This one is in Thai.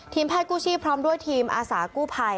แพทย์กู้ชีพพร้อมด้วยทีมอาสากู้ภัย